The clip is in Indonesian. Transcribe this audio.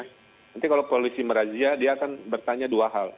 nanti kalau polisi merazia dia akan bertanya dua hal